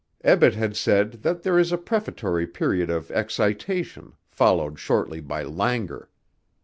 Ebbett had said that there is a prefatory period of excitation followed shortly by languor.